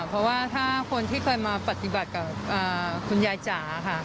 เพราะว่าถ้าคนที่เคยมาปฏิบัติกับคุณยายจ๋าค่ะ